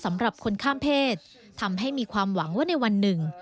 สำหรับคนข้ามเพศทำให้มีความหวังว่าในวันหนึ่ง